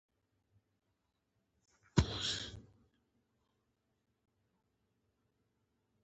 د ژوند ارزښت وپیژنئ